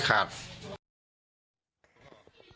วัชนุม